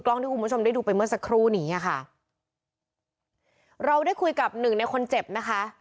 ที่คุณผู้ชมได้ดูไปเมื่อสักครู่นี้อ่ะค่ะเราได้คุยกับหนึ่งในคนเจ็บนะคะ